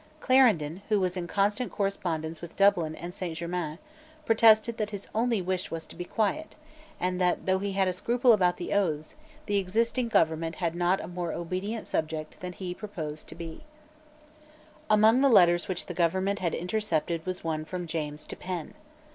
Clarendon, who was in constant correspondence with Dublin and Saint Germains, protested that his only wish was to be quiet, and that, though he had a scruple about the oaths, the existing government had not a more obedient subject than he purposed to be, Among the letters which the government had intercepted was one from James to Penn.